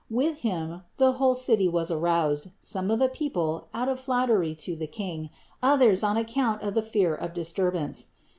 With him the whole city was aroused, some of the peo ple, out of flattery to the king, others on account of the fear of disturbance.